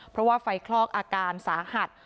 เพราะว่าไฟคลอกอาการสาหัส